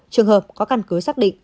trường hợp có căn cứ xác định